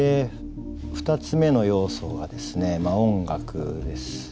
２つ目の要素はですね音楽ですね。